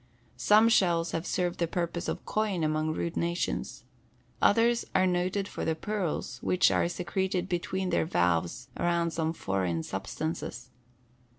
Some shells have served the purpose of coin among rude nations. Others are noted for the pearls which are secreted between their valves around some foreign substances.